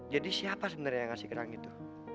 jadi siapa sebenernya yang ngasih kerang itu